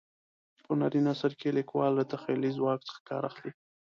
په هنري نثر کې لیکوال له تخیلي ځواک څخه کار اخلي.